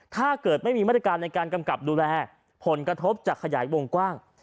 ถ้าเกิดไม่มีมาตรการในการกำกับดูแลผลกระทบจะขยายวงกว้าง